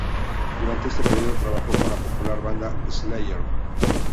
Durante este período, trabajó con la popular banda Slayer.